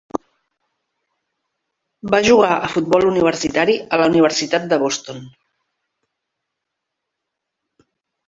Va jugar a futbol universitari a la universitat de Boston.